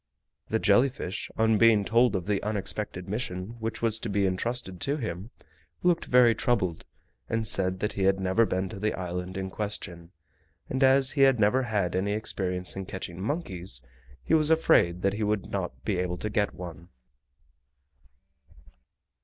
The jelly fish, on being told of the unexpected mission which was to be intrusted to him, looked very troubled, and said that he had never been to the island in question, and as he had never had any experience in catching monkeys he was afraid that he would not be able to get one.